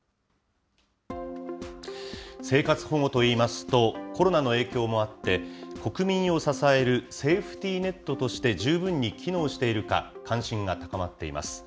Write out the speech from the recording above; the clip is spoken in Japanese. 生活保護といいますと、コロナの影響もあって、国民を支えるセーフティーネットとして十分に機能しているか、関心が高まっています。